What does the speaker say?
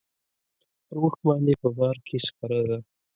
پر اوښ باندې په بار کې سپره ده.